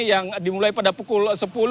yang dimulai pada pukul sepuluh